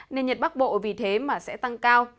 nên nhiệt bắc bộ vì thế mà sẽ tăng cao